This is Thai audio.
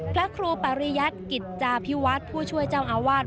พระครูปริยัติกิจจาพิวัฒน์ผู้ช่วยเจ้าอาวาส